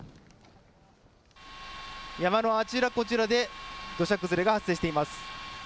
山のあちらこちらで土砂崩れが発生しています。